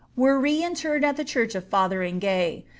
were re interred at the church of Fotheringay.